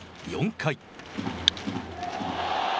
４回。